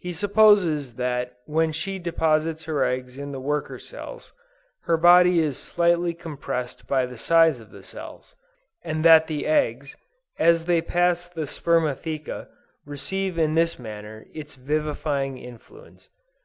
He supposes that when she deposits her eggs in the worker cells, her body is slightly compressed by the size of the cells, and that the eggs, as they pass the spermatheca, receive in this manner, its vivifying influence.